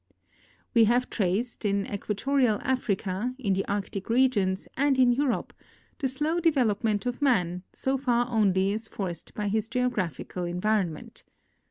We have traced, in Equatorial Africa, in the Arctic regions, and in Europe the slow development of man, so far only as for ced by his geographical environment.